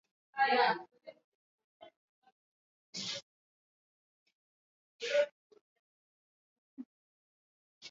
kuhakikisha soko la kudumu linapatikana